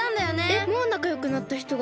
えっもうなかよくなったひとがいるの？